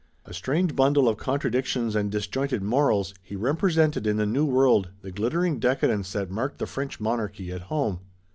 A strange bundle of contradictions and disjointed morals, he represented in the New World the glittering decadence that marked the French monarchy at home.